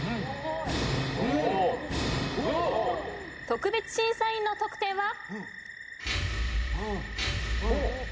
特別審査員の得点は？